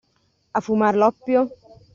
A fumar l'oppio?